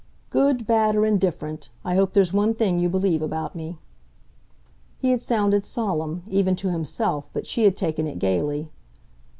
"Good, bad or indifferent, I hope there's one thing you believe about me." He had sounded solemn, even to himself, but she had taken it gaily.